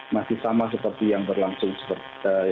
masih sama seperti yang berlangsung seperti